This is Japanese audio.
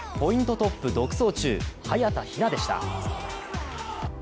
トップ独走中早田ひなでした。